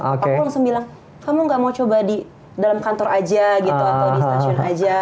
aku langsung bilang kamu gak mau coba di dalam kantor aja gitu atau di stasiun aja